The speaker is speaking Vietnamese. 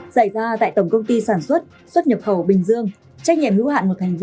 dạy ra tại tổng công ty sản xuất xuất nhập khẩu bình dương